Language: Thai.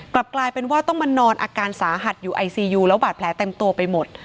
กลับกลายเป็นว่าต้องมานอนอาการสาหัสอยู่ไอซียูแล้วบาดแผลเต็มตัวไปหมด